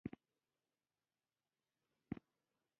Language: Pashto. مړه ته د اخلاص یاد وساته